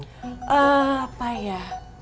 ehh apa ya